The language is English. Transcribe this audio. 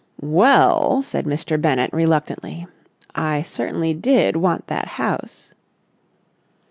"Well," said Mr. Bennett reluctantly, "I certainly did want that house...."